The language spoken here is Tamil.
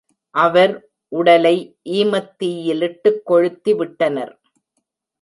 அவர் உடலை ஈமத்தீயிட்டுக் கொளுத்தி விட்டனர்.